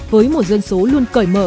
với một dân số luôn cởi mở